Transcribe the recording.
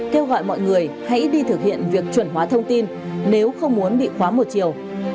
kêu gọi mọi người hãy đi thực hiện việc chuẩn hóa thông tin nếu không muốn bị khóa một chiều